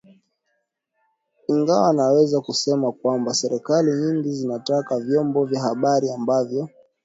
ingawa naweza kusema kwamba serikali nyingi zinataka vyombo vya habari ambavyo